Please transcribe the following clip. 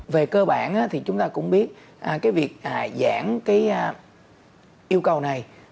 về cơ bản thì chúng ta cũng biết cái việc giảm cái yêu cầu này